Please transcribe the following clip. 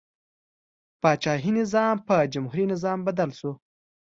پاچاهي نظام په جمهوري نظام بدل شو.